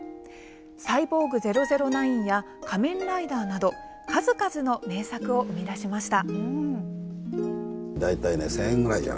「サイボーグ００９」や「仮面ライダー」など数々の名作を生み出しました。